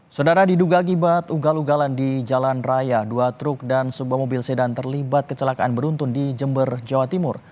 saudara diduga akibat ugal ugalan di jalan raya dua truk dan sebuah mobil sedan terlibat kecelakaan beruntun di jember jawa timur